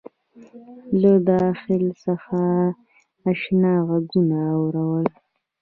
له داخل څخه آشنا غــږونه اورم